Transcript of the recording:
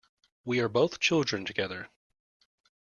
We are both children together.